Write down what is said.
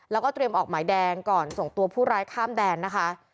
แล้วก็เตรียมออกหมายแดงก่อนส่งตัวผู้ร้ายข้ามแดนนะคะ